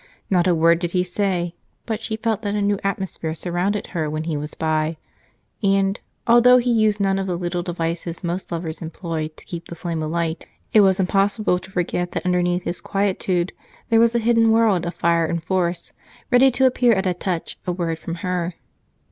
Not a word did he say, but she felt that a new atmosphere surrounded her when he was by, and although he used none of the little devices most lovers employ to keep the flame alight, it was impossible to forget that underneath his quietude there was a hidden world of fire and force ready to appear at a touch, a word from her.